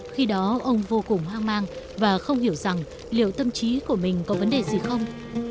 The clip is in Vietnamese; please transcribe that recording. khi đó ông vô cùng hoang mang và không hiểu rằng liệu tâm trí của mình có vấn đề gì không